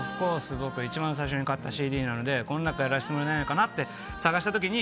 僕一番最初に買ったＣＤなのでこの中からやらせてもらえないかなって探したときに。